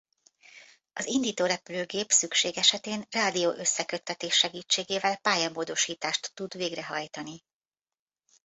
Az indító repülőgép szükség esetén rádió-összeköttetés segítségével pályamódosítást tud végrehajtani.